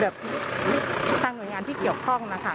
ทางหน่วยงานที่เกี่ยวข้องนะคะ